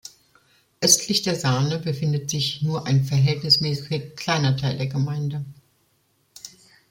Östlich der Saane befindet sich nur ein verhältnismässig kleiner Teil der Gemeinde.